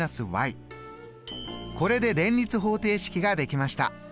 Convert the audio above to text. これで連立方程式ができました！